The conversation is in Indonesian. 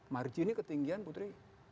marginnya ketinggian putri